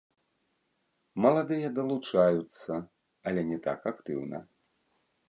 Маладыя далучаюцца, але не так актыўна.